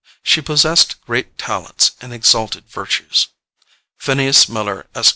She possessed great talents and exalted virtues." Phineas Miller, Esq.